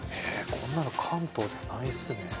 こんなの関東じゃないですね。